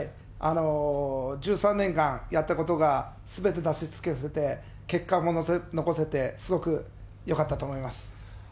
１３年間やったことがすべて出し尽くせて、結果も残せて、すごくよかったと思います。